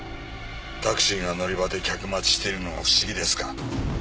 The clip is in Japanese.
タクシーが乗り場で客待ちしているのが不思議ですか？